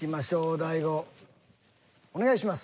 大悟お願いします。